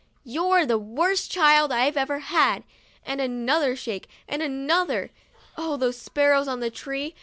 " You're the worst child I ever had," and another shake and another and another. Oh, those sparrows on the tree